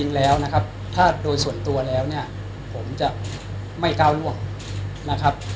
จริงแล้วนะครับถ้าโดยส่วนตัวแล้วเนี่ยผมจะไม่ก้าวล่วงนะครับ